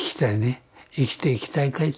生きていきたいかい？